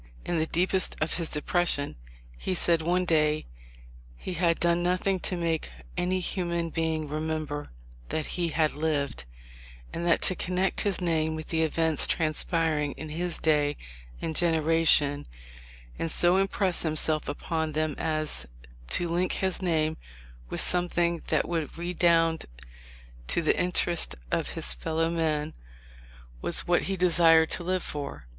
In the deepest of his depression he said one day he had done nothing to make any human being remember that he had lived ; and that to connect his name with the events transpiring in his day and gen eration, and so impress himself upon them as to link his name with something that would redound to the interest of his fellow men, was what he desired to live for."